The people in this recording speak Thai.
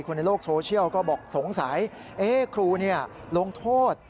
คนในโลกโซเชียลก็บอกสงสัยครูลงโทษ